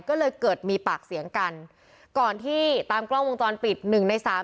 ก็เลยเกิดมีปากเสียงกันก่อนที่ตามกล้องวงจรปิดหนึ่งในสาม